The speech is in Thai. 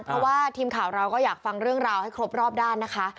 เพราะว่าทีมข่าวเราก็อยากฟังเรื่องราวให้ครบรอบด้านนะคะ